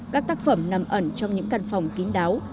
các tác phẩm nằm ẩn trong những căn phòng kín đáo